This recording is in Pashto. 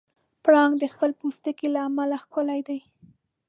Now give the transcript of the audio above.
پړانګ د خپل پوستکي له امله ښکلی دی.